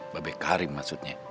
babe karim maksudnya